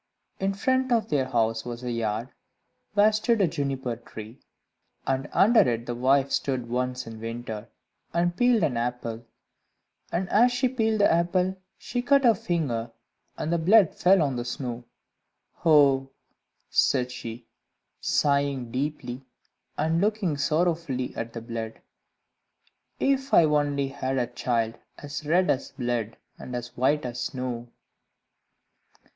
In front of their house was a yard, where stood a Juniper tree, and under it the wife stood once in winter, and peeled an apple, and as she peeled the apple she cut her finger, and the blood fell on the snow. "Oh," said she, sighing deeply and looking sorrowfully at the blood, "if I only had a child as red as blood, and as white as snow!"